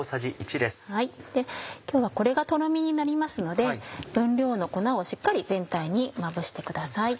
今日はこれがとろみになりますので分量の粉をしっかり全体にまぶしてください。